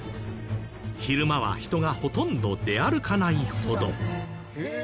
昼間は人がほとんど出歩かないほど。